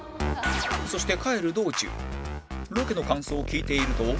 そして帰る道中ロケの感想を聞いていると